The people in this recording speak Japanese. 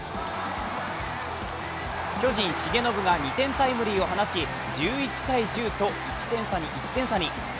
巨人・重信が２点タイムリーを放ち、１１−１０と１点差に。